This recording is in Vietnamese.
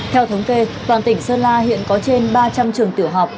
theo thống kê toàn tỉnh sơn la hiện có trên ba trăm linh trường tiểu học